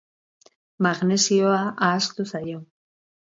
Magnesioa ahaztu zaio.